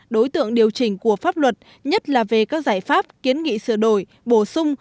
đối tượng điều chỉnh của pháp luật nhất là về các giải pháp kiến nghị sửa đổi bổ sung